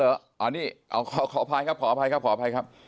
อันนี้ขออภัยครับขออภัยครับขออภัยครับ